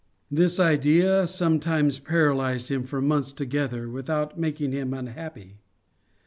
This idea sometimes paralysed him for months together, without making him unhappy.